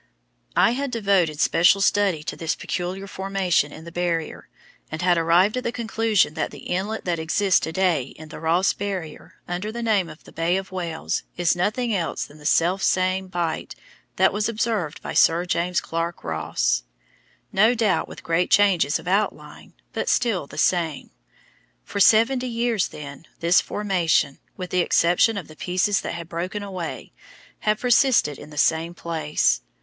I had devoted special study to this peculiar formation in the Barrier, and had arrived at the conclusion that the inlet that exists to day in the Ross Barrier under the name of the Bay of Whales is nothing else than the self same bight that was observed by Sir James Clark Ross no doubt with great changes of outline, but still the same. For seventy years, then, this formation with the exception of the pieces that had broken away had persisted in the same place.